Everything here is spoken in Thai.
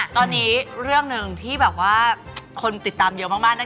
ตอนนี้เรื่องหนึ่งที่คนติดตามเยอะมาก